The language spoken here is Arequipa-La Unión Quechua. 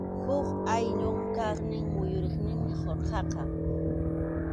Huk ayllup kaqnin muyuriqninmi qurqaqa.